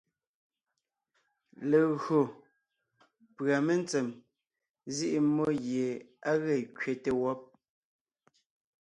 Legÿo pʉ́a mentsèm nzíʼi mmó gie á ge kẅete wɔ́b,